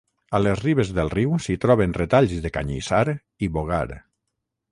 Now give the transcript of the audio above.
A les ribes del riu s’hi troben retalls de canyissar i bogar.